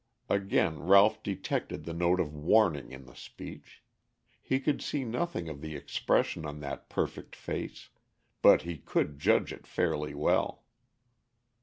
Again Ralph detected the note of warning in the speech. He could see nothing of the expression on that perfect face; but he could judge it fairly well.